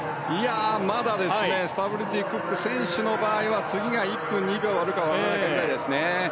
まだ、スタブルティ・クック選手の場合は次が１分２秒割るか割らないかぐらいですね。